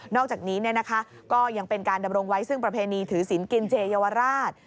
อกจากนี้ก็ยังเป็นการดำรงไว้ซึ่งประเพณีถือศิลปกินเจเยาวราช